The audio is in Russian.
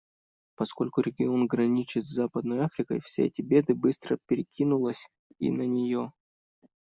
Поскольку регион граничит с Западной Африкой, все эти беды быстро перекинулось и на нее.